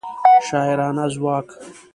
شاعرانه ځواک